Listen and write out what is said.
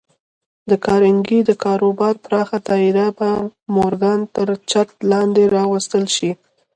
د کارنګي د کاروبار پراخه دايره به د مورګان تر چت لاندې راوستل شي.